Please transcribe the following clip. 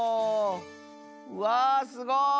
わすごい！